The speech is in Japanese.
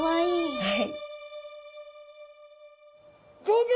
はい。